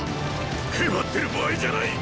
へばってる場合じゃないっ！